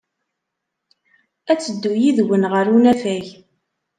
Ad teddu yid-wen ɣer unafag.